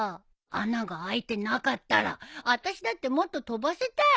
穴が開いてなかったらあたしだってもっと飛ばせたよ。